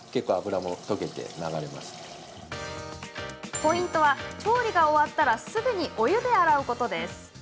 ポイントは調理が終わったらすぐにお湯で洗うこと。